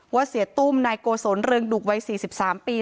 เสียตุ้มนายโกศลเรืองดุกวัย๔๓ปี